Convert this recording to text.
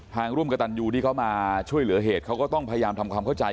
ร่วมกับตันยูที่เขามาช่วยเหลือเหตุเขาก็ต้องพยายามทำความเข้าใจ